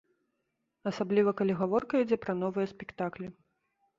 Асабліва, калі гаворка ідзе пра новыя спектаклі.